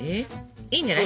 いいんじゃない？